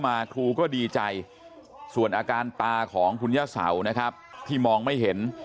ครูก็ดีใจส่วนอาการตาของคุณย่าเสานะครับที่มองไม่เห็น